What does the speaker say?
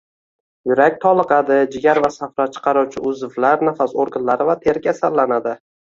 Yurak toliqadi, jigar va safro chiqaruvchi uzvlar, nafas organlari va teri kasallanadi